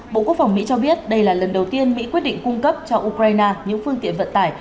bộ quốc phòng mỹ cho biết đây là lần đầu tiên mỹ quyết định cung cấp cho ukraine những phương tiện vận tải